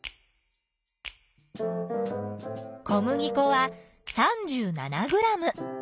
小麦粉は３７ｇ。